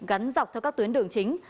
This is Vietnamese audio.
gắn dọc theo các tuyến đường chính